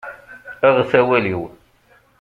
Aɣet awal-iw!